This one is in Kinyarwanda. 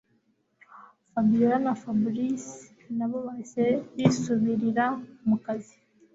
Fabiora na Fabric nabo bahise bisubirira mukazi